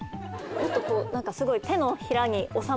もっとこうすごい。